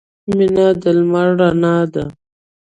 • مینه د لمر رڼا ده.